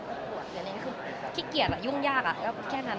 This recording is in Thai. อะไรแบบนี้คือขี้เขียวอะหยุ่งยากอะแค่นั้นเท่านั้น